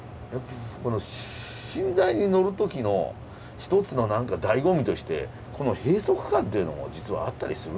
この寝台に乗る時の一つの何かだいご味としてこの閉塞感っていうのも実はあったりするんですよ。